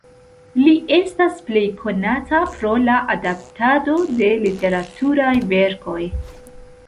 Li estas plej konata pro la adaptado de literaturaj verkoj.